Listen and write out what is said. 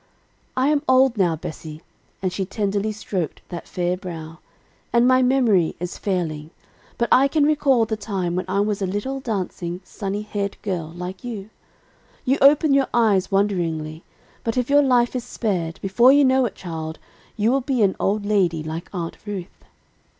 "I am old now, Bessie," and she tenderly stroked that fair brow, "and my memory is failing. But I can recall the time when I was a little dancing, sunny haired girl, like you. You open your eyes wonderingly, but, if your life is spared, before you know it, child, you will be an old lady like Aunt Ruth.